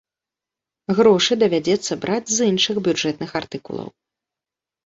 Грошы давядзецца браць з іншых бюджэтных артыкулаў.